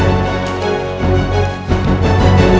beritahu tidak sih